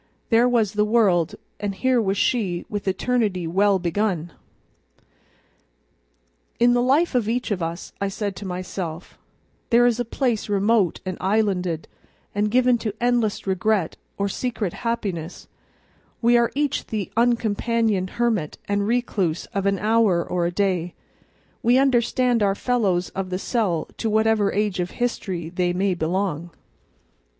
There was the world, and here was she with eternity well begun. In the life of each of us, I said to myself, there is a place remote and islanded, and given to endless regret or secret happiness; we are each the uncompanioned hermit and recluse of an hour or a day; we understand our fellows of the cell to whatever age of history they may belong.